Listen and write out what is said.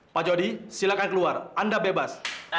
pak jody silakan keluar anda bebas